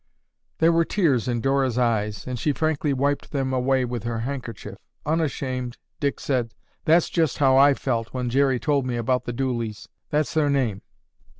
There were tears in Dora's eyes, and she frankly wiped them away with her handkerchief. Unashamed, Dick said, "That's just how I felt when Jerry told me about the Dooleys. That's their name.